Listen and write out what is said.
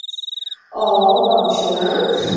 অও, বাবু সোনা।